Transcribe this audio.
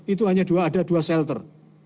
itu hanya dua ada dua shelter